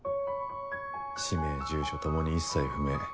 氏名住所共に一切不明。